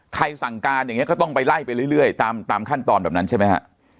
สั่งการอย่างนี้ก็ต้องไปไล่ไปเรื่อยตามขั้นตอนแบบนั้นใช่ไหมฮะ